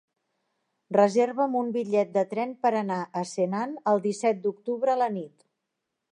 Reserva'm un bitllet de tren per anar a Senan el disset d'octubre a la nit.